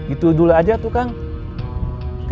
itu dulu aja tuh kang